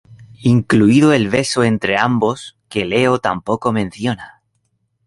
Incluido el beso entre ambos que Leo tampoco menciona.